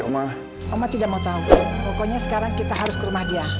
mama tidak mau tahu pokoknya sekarang kita harus ke rumah dia